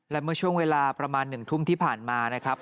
และเมื่อช่วงเวลาประมาณ๑ทุ่มที่ผ่านมานะครับ